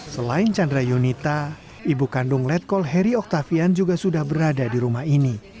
selain chandra yunita ibu kandung letkol heri oktavian juga sudah berada di rumah ini